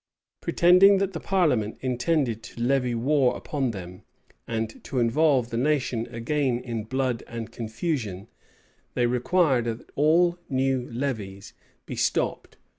[v] Pretending that the parliament intended to levy war upon them, and to involve the nation again in blood and confusion, they required that all new levies should be stopped.